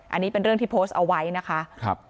อันนี้เป็นเรื่องที่โพสต์เอาไว้นะคะ